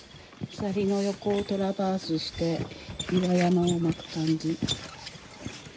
鎖の横をトラバースしていく感じ。